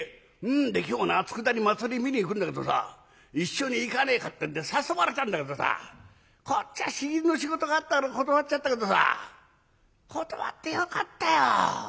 で今日な佃に祭り見に行くんだけどさ一緒に行かねえかってんで誘われたんだけどさこっちは仕事があったから断っちゃったけどさ断ってよかったよ。